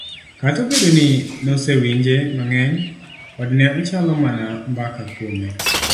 kata obedo ni nosewinje mang'eny, pod ne ochalo mana mbaka kuome.